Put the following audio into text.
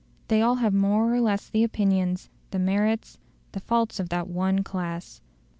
They all have more or less the opinions, the merits, the faults of that one class.